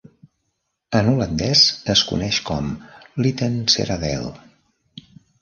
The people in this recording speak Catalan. En holandès es coneix com Littenseradeel.